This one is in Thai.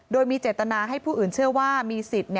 โดยมีเจตนาให้ผู้อื่นเชื่อว่ามีสิทธิ์